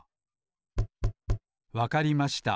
わかりました。